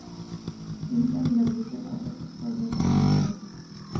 ئىمتىھان بەرگۈچىلەر ئاساسلىقى توردا تىزىملىتىدۇ.